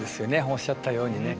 おっしゃったようにね。